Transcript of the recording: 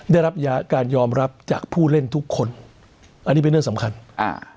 ได้รับยาการยอมรับจากผู้เล่นทุกคนอันนี้เป็นเรื่องสำคัญอ่า